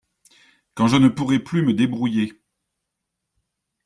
Quand je ne pourrai plus me débrouiller.